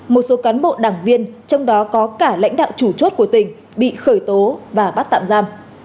một số cán bộ đảng viên trong đó có cả lãnh đạo chủ chốt của tỉnh bị khởi tố và bắt tạm giam